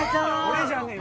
俺じゃねえ！